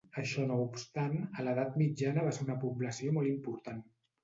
Això no obstant, a l'edat mitjana va ser una població molt important.